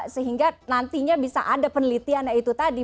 sehingga nantinya bisa ada penelitiannya itu tadi